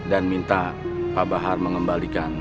dan minta pak bahar mengembalikan